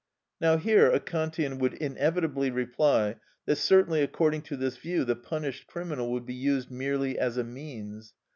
Now here a Kantian would inevitably reply that certainly according to this view the punished criminal would be used "merely as a means."